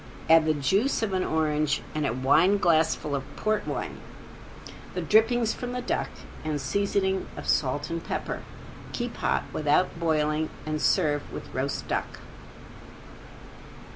Add the juice of an orange and a wine glassful of port wine, the drippings from the duck and seasoning of salt and pepper. Keep hot without boiling and serve with roast duck.